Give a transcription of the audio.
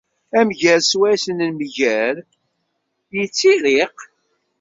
Amger swayes nmegger, yettirriq.